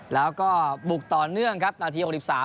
แล้วก็บุตรเนื่องครับนาทีโอคดิบสาม